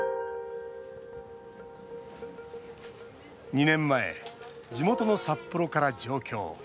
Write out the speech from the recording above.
２年前、地元の札幌から上京。